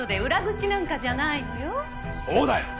そうだよ！